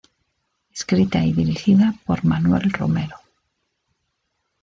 Escrita y dirigida por Manuel Romero.